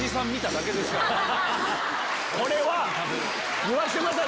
これは言わしてください